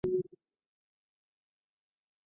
林子崴是台湾青棒投手。